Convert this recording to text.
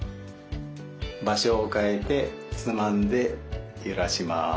場所を変えてつまんでゆらします。